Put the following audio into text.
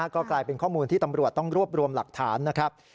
ก็กลายเป็นข้อมูลที่ตำรวจต้องรวบรวมหลักฐานนะครับ